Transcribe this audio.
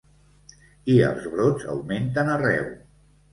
I els brots augmenten arreu.